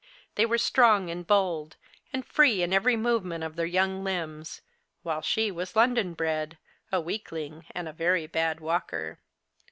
They were strong and bold, and free in every movement of their young limbs, while she was London bred, a weakling, and a very bad walker.